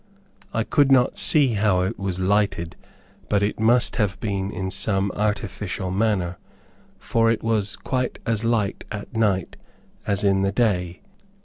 I could not see how it was lighted, but it must have been in some artificial manner, for it was quite as light at night, as in the day.